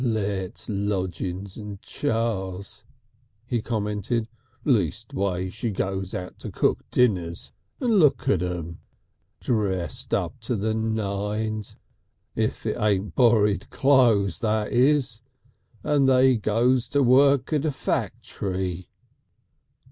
"Let's lodgin's and chars," he commented. "Leastways she goes out to cook dinners. And look at 'em! "Dressed up to the nines. If it ain't borryd clothes, that is. And they goes out to work at a factory!"